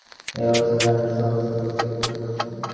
এ অবস্থা হবে জানলে সকাল-সকাল শুয়ে পড়তে পারতেন।